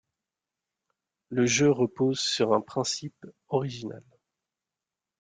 Le jeu repose sur un principe original.